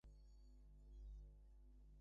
অ্যাসেটটা কাউকে পাঠিয়ে দিয়েছে।